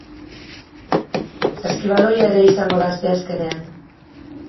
Saskibaloia ere izango da asteazkenean.